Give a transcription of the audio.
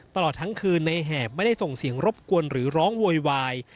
ตลอดทั้งคืนในแหบไม่ได้ส่งเสียงรบกวนหรือร้องโวยวาย